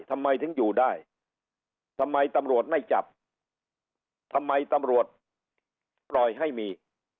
ทำไมถึงอยู่ได้ทำไมตำรวจไม่จับทำไมตำรวจปล่อยให้มี